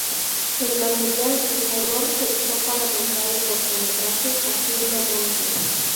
El material en color se usó para montar el cortometraje "Haciendo monte".